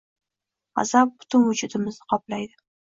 G‘azab butun vujudimizni qoplaydi